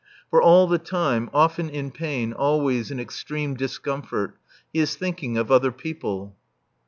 For all the time, often in pain, always in extreme discomfort, he is thinking of other people.